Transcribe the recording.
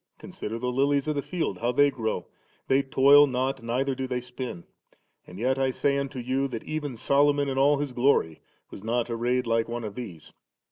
Consider the lilies of the field, how they grow; they toil not, neither do they spin : and yet I say unto you, that even Solomon in all his glory was not arrayed like one of these.